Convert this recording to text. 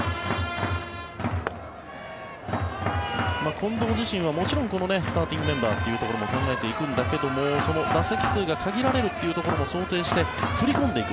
近藤自身はもちろんスターティングメンバーというところも考えていくんだけれど打席数が限られるということも想定して振り込んでいく。